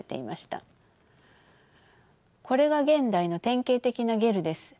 これが現代の典型的なゲルです。